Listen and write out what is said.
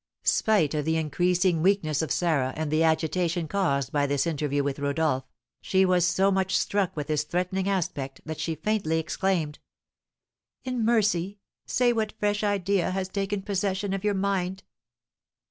Spite of the increasing weakness of Sarah and the agitation caused by this interview with Rodolph, she was so much struck with his threatening aspect that she faintly exclaimed: "In mercy say what fresh idea has taken possession of your mind?"